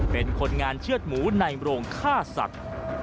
เป็นคนงานเชื่อดหมูในโรงฆ่าสัตว์